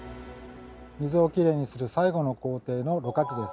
水をきれいにする最後の工程の「ろ過池」です。